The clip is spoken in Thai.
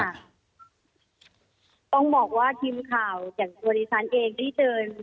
ต้องบอกว่าทีมข่าวอย่างตัวดิฉันเองได้เชิญ